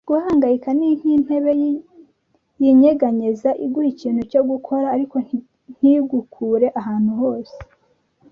Guhangayika ni nk'intebe yinyeganyeza; iguha ikintu cyo gukora ariko ntigukure ahantu hose.